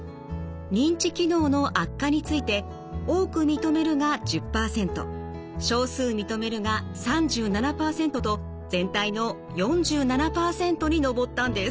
認知機能の悪化について「多く認める」が１０％「少数認める」が３７％と全体の４７％に上ったんです。